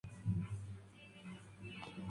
La dirección general estuvo a cargo de "Pablo Garro.